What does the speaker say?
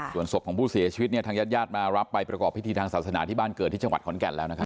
ส่วนศพของผู้เสียชีวิตเนี่ยทางญาติญาติมารับไปประกอบพิธีทางศาสนาที่บ้านเกิดที่จังหวัดขอนแก่นแล้วนะครับ